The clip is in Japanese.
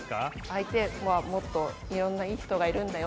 相手はもっといろんないい人がいるんだよって。